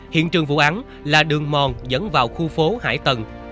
hiện trường vụ án là đường mòn dẫn vào khu phố hải tần